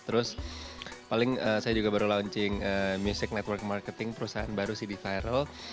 terus paling saya juga baru launching music network marketing perusahaan baru sih di vyral